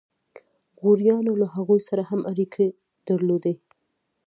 غوریانو له هغوی سره هم اړیکې درلودې.